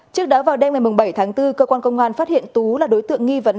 trước đó vào đêm ngày bảy tháng bốn cơ quan công an phát hiện tú là đối tượng nghi vấn